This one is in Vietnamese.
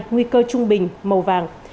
nguy cơ trung bình màu vàng